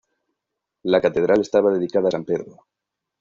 La catedral estaba dedicada a San Pedro.